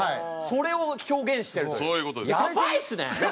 それを表現してるという。